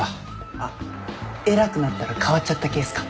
あっ偉くなったら変わっちゃった系っすか？